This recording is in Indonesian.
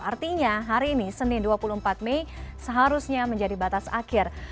artinya hari ini senin dua puluh empat mei seharusnya menjadi batas akhir